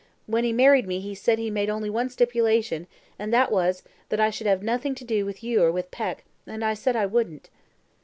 When he married me he said he made only one stipulation, and that was, that I should have nothing to do with you or with Peck, and I said I wouldn't."